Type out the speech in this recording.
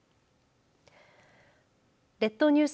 列島ニュース